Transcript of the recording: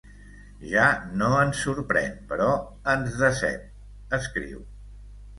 Ja no ens sorprèn, però ens decep, escriu.